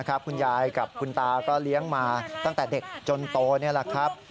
คุณยายกับคุณตาก็เลี้ยงมาตั้งแต่เด็กจนโตนี่แหละครับ